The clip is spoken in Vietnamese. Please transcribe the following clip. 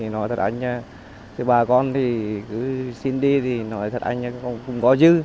nói thật anh bà con xin đi nói thật anh cũng có dư